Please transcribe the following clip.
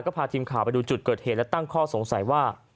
ก็พาทีมข่าวไปดูจุดเกิดเหตุและตั้งข้อสงสัยว่า